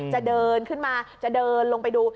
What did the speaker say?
จะเดินขึ้นมาจะเดินลงไปดู